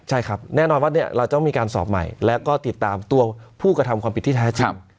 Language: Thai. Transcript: ใช่ครับแน่นอนว่าเราต้องมีการสอบใหม่แล้วก็ติดตามตัวผู้กระทำความผิดที่แท้จริง